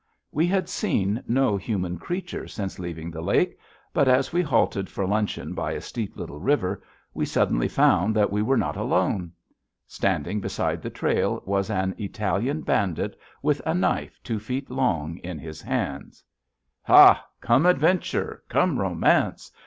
We had seen no human creature since leaving the lake, but as we halted for luncheon by a steep little river, we suddenly found that we were not alone. Standing beside the trail was an Italian bandit with a knife two feet long in his hands. Ha! Come adventure! Come romance!